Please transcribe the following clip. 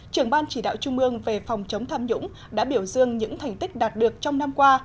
trưởng ban chỉ đạo trung ương về phòng chống tham nhũng đã biểu dương những thành tích đạt được trong năm qua